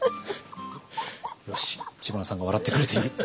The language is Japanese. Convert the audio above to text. よしっ知花さんが笑ってくれている。